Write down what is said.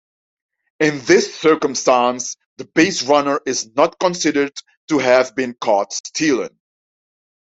In this circumstance, the baserunner is not considered to have been caught stealing.